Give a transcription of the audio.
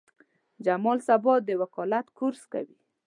جمال سبا د وکالت کورس کوي.